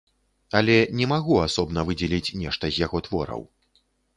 Але не магу асобна выдзеліць нешта з яго твораў.